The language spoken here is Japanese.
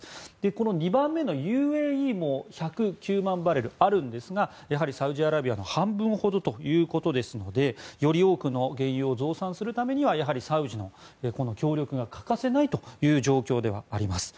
この２番目のＵＡＥも１０９万バレルあるんですがサウジアラビアの半分ほどということですのでより多くの原油を増産するためにはサウジの協力が欠かせないという状況ではあります。